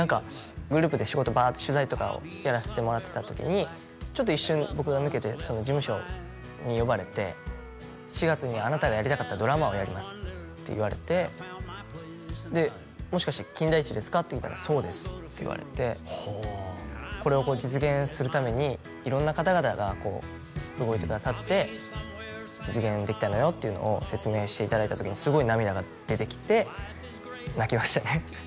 グループで仕事バーッと取材とかをやらせてもらってた時にちょっと一瞬僕が抜けて事務所に呼ばれて「４月にあなたがやりたかったドラマを」「やります」って言われて「もしかして金田一ですか？」って聞いたら「そうです」って言われて「これを実現するために色んな方々が動いてくださって」「実現できたんだよ」っていうのを説明していただいた時にすごい涙が出てきて泣きましたね